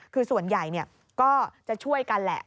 คือส่วนใหญ่ก็จะช่วยกันแหละ